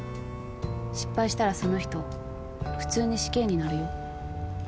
失敗したらその人普通に死刑になるよ。